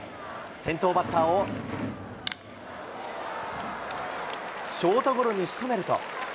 先頭バッターをショートゴロにしとめると。